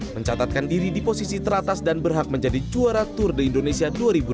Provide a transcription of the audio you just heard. mencatatkan diri di posisi teratas dan berhak menjadi juara tour de indonesia dua ribu delapan belas